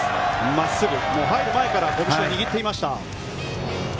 真っすぐ、入る前からこぶしを握っていました。